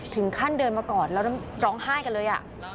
ถึงขั้นเดินมาก่อนเราต้องร้องไห้กันเลย